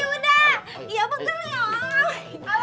ih udah iya apa geli ya